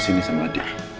sini sama adik